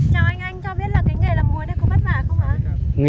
chào anh anh cho biết là cái nghề làm muối này có vất vả không hả